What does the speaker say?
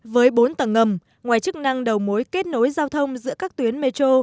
với bốn tầng ngầm ngoài chức năng đầu mối kết nối giao thông giữa các tuyến metro